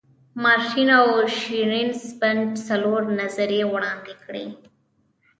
مارټین او شینزینجر څلور نظریې وړاندې کړي.